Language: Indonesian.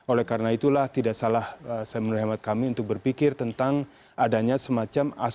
oleh karena itulah tidak salah saya menurut hemat kami untuk berpikir tentang adanya semacam